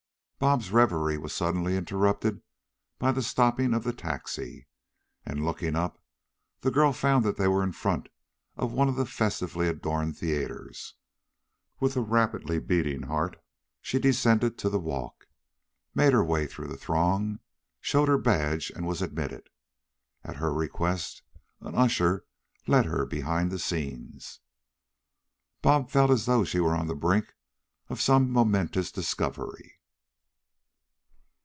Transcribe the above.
Bobs' reverie was suddenly interrupted by the stopping of the taxi, and, looking up, the girl found that they were in front of one of the festively adorned theaters. With a rapidly beating heart, she descended to the walk, made her way through the throng, showed her badge and was admitted. At her request an usher led her behind the scenes. Bobs felt as though she were on the brink of some momentous discovery.